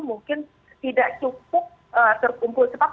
mungkin tidak cukup terkumpul cepat